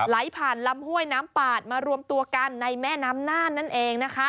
ไหลผ่านลำห้วยน้ำปาดมารวมตัวกันในแม่น้ำน่านนั่นเองนะคะ